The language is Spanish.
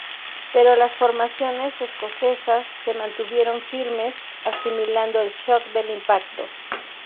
Pero las formaciones escocesas se mantuvieron firmes, asimilando el shock del impacto.